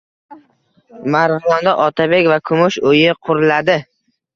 Marg‘ilonda “Otabek va Kumush uyi” quriladi